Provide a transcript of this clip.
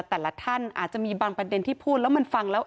แต่ละท่านอาจจะมีบางประเด็นที่พูดแล้วมันฟังแล้ว